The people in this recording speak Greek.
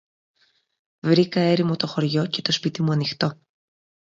Βρήκα έρημο το χωριό, και το σπίτι μου ανοιχτό